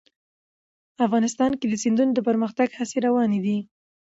افغانستان کې د سیندونه د پرمختګ هڅې روانې دي.